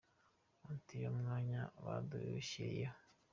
Ati Iyo myanya badushyiriyeho.